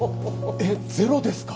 えっゼロですか？